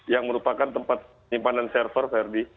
yang merupakan tempat penyimpanan server ferdi